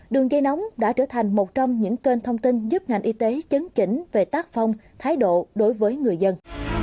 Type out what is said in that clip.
đường dây nóng đã trở thành một trong những kênh thông tin giúp ngành y tế chấn chỉnh về tác phong thái độ đối với người dân